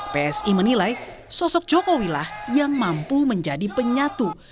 psi menilai sosok jokowi lah yang mampu menjadi penyatu